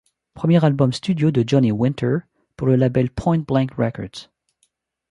Premier album studio de Johnny Winter pour le label Pointblank Records.